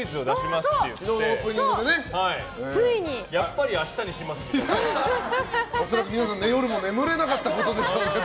恐らく皆さん夜も眠れなかったことでしょうけど。